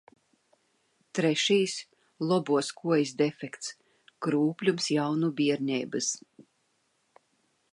Trešais – labās kājas defekts, kroplums jau no bērnības.